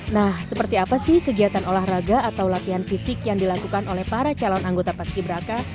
nah seperti apa sih kegiatan olahraga atau latihan fisik yang dilakukan oleh para calon anggota paski beraka